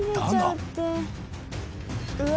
うわ。